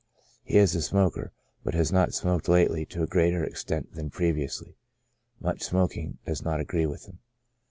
He is a smoker, but has not smoked lately to a greater extent than previously. Much smoking does not agree with him.